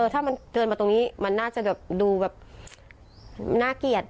ถ้ามันเดินมาตรงนี้มันน่าจะแบบดูแบบน่าเกลียด